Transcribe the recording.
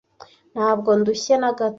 Ntabwo ndushye na gato.